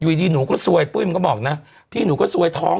อยู่ดีหนูก็ซวยปุ้ยมันก็บอกนะพี่หนูก็ซวยท้อง